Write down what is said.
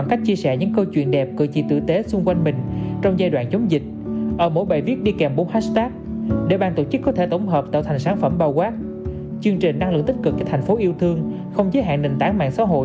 những câu chuyện tượng tế và ngôn từ động viên cũng như là hình ảnh nhiều năng lượng